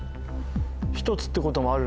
１つってこともある。